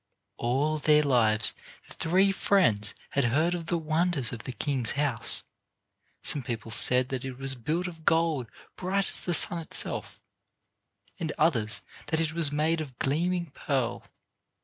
All their lives the three friends had heard of the wonders of the king's house. Some people said that it was built of gold bright as the sun itself, and others that it was made of gleaming pearl.